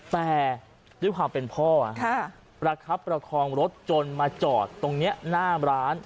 แต่ด้วยความเป็นพ่อประคับประคองรถจนมาจอดตรงนี้หน้าร้าน